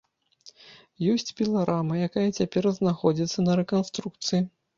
Ёсць піларама, якая цяпер знаходзіцца на рэканструкцыі.